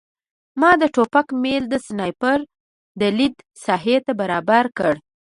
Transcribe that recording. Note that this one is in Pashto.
ما د ټوپک میل د سنایپر د لید ساحې ته برابر کړ